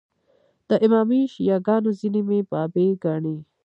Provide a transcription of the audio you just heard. د امامي شیعه ګانو ځینې مې بابي ګڼي.